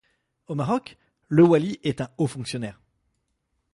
Au Maroc, le wali est un haut fonctionnaire.